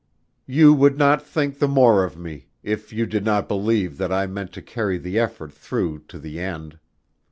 " you would not think the more of me, if you did not believe that I meant to carry the effort through to the end.